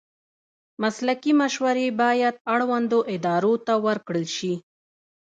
مسلکي مشورې باید اړوندو ادارو ته ورکړل شي.